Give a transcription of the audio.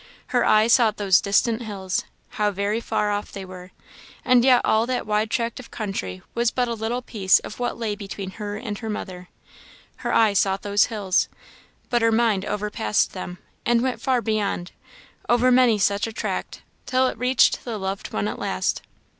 Her eye sought those distant hills how very far off they were! and yet all that wide tract of country was but a little piece of what lay between her and her mother. Her eye sought those hills but her mind overpassed them, and went far beyond, over many such a tract, till it reached the loved one at last.